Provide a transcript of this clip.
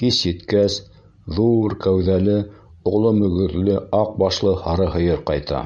Кис еткәс, ҙу-ур кәүҙәле, оло мөгөҙлө аҡ башлы һары һыйыр ҡайта.